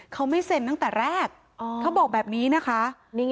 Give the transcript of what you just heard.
เขาไม่เซ็นตั้งแต่แรกเขาบอกแบบนี้นะคะ